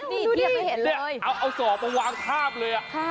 นี่เทียบให้เห็นเลยเนี่ยเอาศอกมาวางทาบเลย